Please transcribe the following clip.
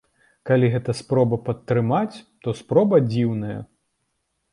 Калі гэта спроба падтрымаць, то спроба дзіўная.